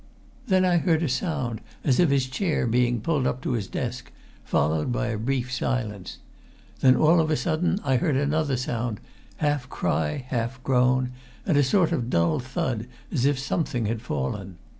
Then I heard a sound as of his chair being pulled up to his desk, followed by a brief silence. Then, all of a sudden, I heard another sound, half cry, half groan, and a sort of dull thud, as if something had fallen.